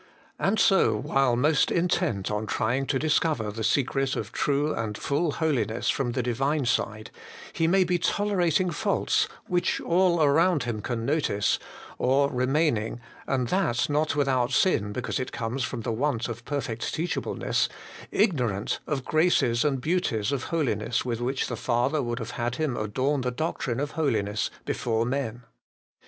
And so, while most intent on trying to discover the secret of true and full holiness from the Divine side, he may be tolerating faults which all around him can notice, or remaining, and that not without sin, because it comes from the want of perfect teachableness, ignorant of graces and beauties of holiness with which the Father would have had him adorn the doctrine of holiness before men.